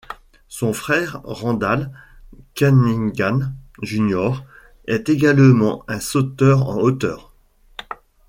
Son frère, Randall Cunningham Junior, est également un sauteur en hauteur.